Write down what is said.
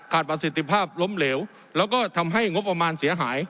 ประสิทธิภาพล้มเหลวแล้วก็ทำให้งบประมาณเสียหาย